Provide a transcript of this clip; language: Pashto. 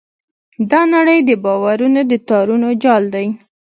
دا نړۍ د باورونو د تارونو جال دی.